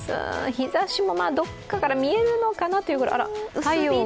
日ざしもどこかから見えるのかな？というぐらい。